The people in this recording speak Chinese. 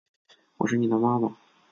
我是妳的妈妈